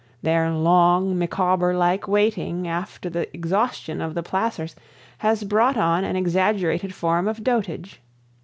Their long, Micawber like waiting after the exhaustion of the placers has brought on an exaggerated form of dotage.